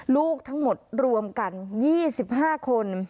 ลูกทั้งหมดรวมกัน๒๕คน